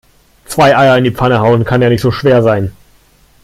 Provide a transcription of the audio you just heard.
Zwei Eier in die Pfanne hauen kann ja nicht so schwer sein.